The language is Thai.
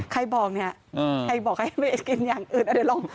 ใครบอกนี่ใครบอกให้เวสเก็นอย่างอื่น